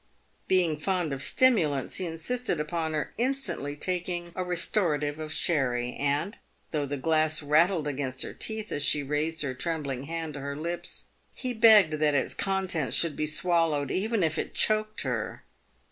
Being fond of stimulants, he insisted upon her instantly taking a " restorative of sherry," and, though the glass rattled against her teeth as she raised her trembling hand to her lips, he begged that its contents should be swallowed, even if it choked her.